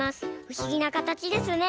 ふしぎなかたちですね。